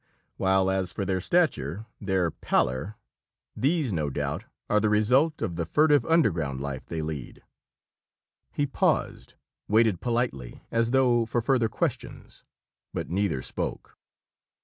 While as for their stature, their pallor these no doubt are the result of the furtive underground life they lead." He paused, waited politely, as though for further questions, but neither spoke.